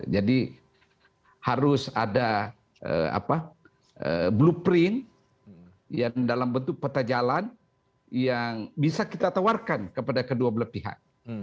jadi harus ada blueprint yang dalam bentuk peta jalan yang bisa kita tawarkan kepada kedua belah pihak